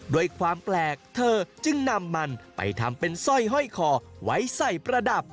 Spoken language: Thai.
ด้วยความแปลกเธอจึงนำมันไปทำเป็นสร้อยห้อยคอไว้ใส่ประดับ